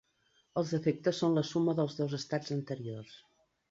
Els efectes són la suma dels dos estats anteriors.